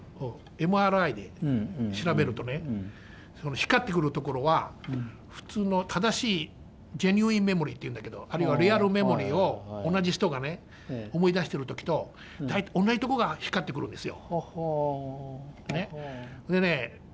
光ってくる所は普通の正しいジェニュインメモリーっていうんだけどあるいはリアルメモリーを同じ人が思い出してる時と同じ所が光ってくるんですよ。